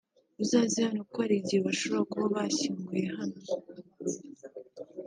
uzaze hano kuko hari igihe bashobora kuba bashyinguye hano